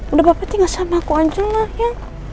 udah bapak tinggal sama aku anjl lah ya